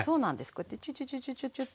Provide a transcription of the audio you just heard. こうやってチュチュチュチュチュチュッて。